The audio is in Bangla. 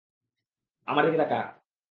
আমার দিকে তাকা।